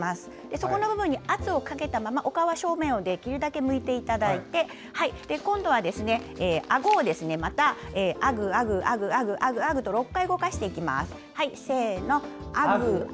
そこの部分に圧をかけたままお顔は正面をできるだけ向いていただいて今度は、あごをまた「あぐあぐ」と６回動かしていきます。